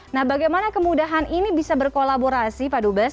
nah bagaimana kemudahan ini bisa berkolaborasi pak dubes